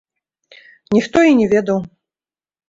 Ніхто і не ведаў.